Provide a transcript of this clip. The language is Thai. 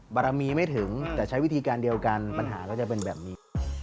บารมีไม่ถึงแต่ใช้วิธีการเดียวกันปัญหาก็จะเป็นแบบนี้